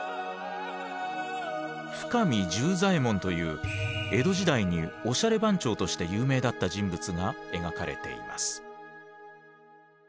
深見十左衛門という江戸時代におしゃれ番長として有名だった人物が描かれています。